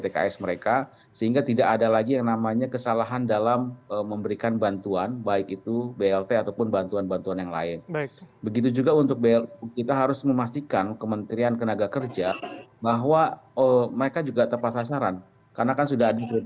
karena kan sudah ada kriteria kriteria